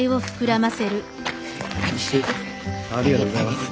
ありがとうございます。